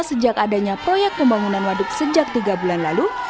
sejak adanya proyek pembangunan waduk sejak tiga bulan lalu